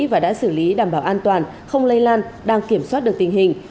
và đã xử lý đảm bảo an toàn không lây lan đang kiểm soát được tình hình